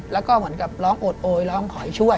แล้วก็เหมือนกับร้องโอดโอยร้องขอให้ช่วย